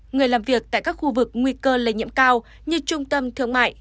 người làm việc tại các khu vực nguy cơ lây nhiễm cao như trung tâm thương mại